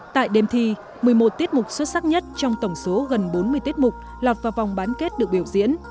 tại đêm thi một mươi một tiết mục xuất sắc nhất trong tổng số gần bốn mươi tiết mục lọt vào vòng bán kết được biểu diễn